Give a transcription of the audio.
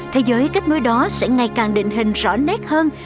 thế giới kết nối đó sẽ ngày càng định hình rõ nét hơn